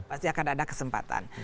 pasti akan ada kesempatan